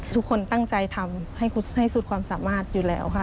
ทุกคนตั้งใจทำให้สุดความสามารถอยู่แล้วค่ะ